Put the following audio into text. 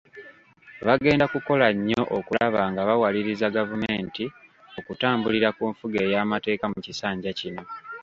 Bagenda kukola nnyo okulaba nga bawaliriza gavumenti okutambulira ku nfuga ey’amateeka mu kisanja kino.